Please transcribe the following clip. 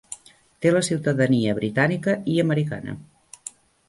Té la ciutadania britànica i americana.